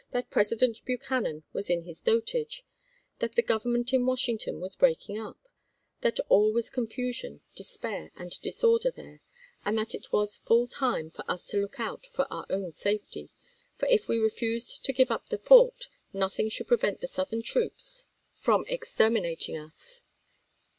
that President Buchanan was in his dotage ; that the Government in Washington was breaking up ; that all was confusion, despair, and disorder there ; and that it was full time for us to look out for our own safety ; for if we refused to give up the fort, nothing could prevent the Southern troops from Douweday, exterminating us.